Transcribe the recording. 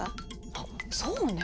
あっそうね。